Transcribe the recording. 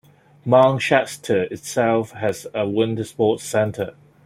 Mount Shasta itself has a winter sports center.